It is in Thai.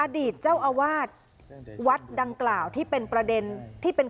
อดีตเจ้าอาวาสวัดดังกล่าวที่เป็นประเด็นที่เป็น